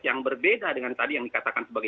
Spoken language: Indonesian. yang berbeda dengan tadi yang dikatakan sebagai